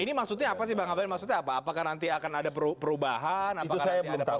ini maksudnya apa sih bang aben maksudnya apa apakah nanti akan ada perubahan apakah nanti ada tambahan